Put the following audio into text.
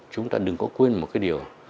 chúng ta đừng có quên một cái điều